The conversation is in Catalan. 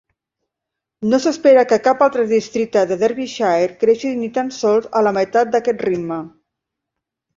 No s'espera que cap altre districte de Derbyshire creixi ni tan sols a la meitat d'aquest ritme.